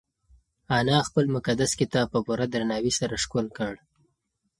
انا خپل مقدس کتاب په پوره درناوي سره ښکل کړ.